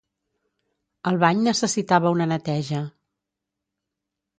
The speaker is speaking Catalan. El bany necessitava una neteja.